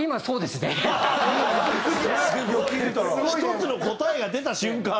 すごい！１つの答えが出た瞬間。